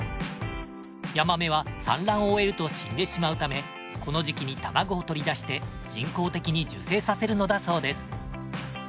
ヤマメは産卵を終えると死んでしまうためこの時期に卵を取り出して人工的に受精させるのだそうです。